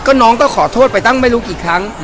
ก็น้องก็ขอโทษไปตั้งไม่รู้กี่ครั้ง